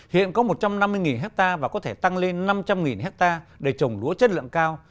hiện có một trăm năm mươi hectare và có thể tăng lên năm trăm linh hectare để trồng lúa chất lượng cao